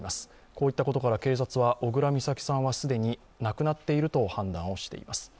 こういったことから警察は、小倉美咲さんは既に亡くなっていると判断をしています。